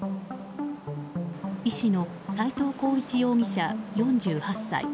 医師の斎藤浩一容疑者、４８歳。